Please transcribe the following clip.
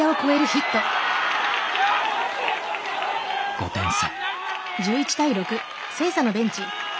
５点差。